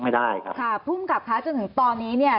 ค่ะไม่ได้ครับค่ะผู้มกับค้าจนถึงตอนนี้เนี้ย